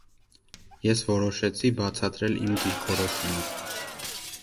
Ես որոշեցի, բացատրել իմ դիրքորոշումը։